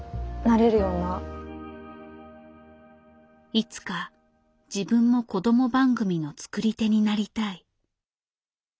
いつか自分も子ども番組の作り手になりたい。